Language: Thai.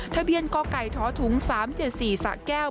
ทะเบียนกไก่ทถุง๓๗๔สะแก้ว